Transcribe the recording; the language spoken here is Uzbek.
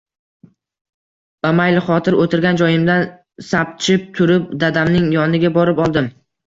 Bamaylixotir oʻtirgan joyimdan sapchib turib, dadamning yoniga borib oldim.